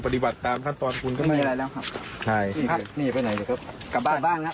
ไปได้อย่างนี้นะครับ